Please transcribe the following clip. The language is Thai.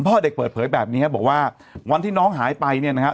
พ่อเด็กเปิดเผยแบบนี้ครับบอกว่าวันที่น้องหายไปเนี่ยนะฮะ